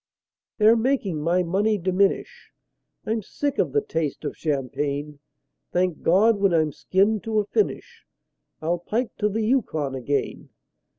They're making my money diminish; I'm sick of the taste of champagne. Thank God! when I'm skinned to a finish I'll pike to the Yukon again.